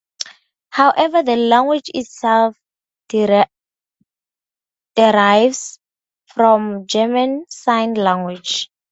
However, the language itself derives from German Sign Language.